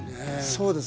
そうですね。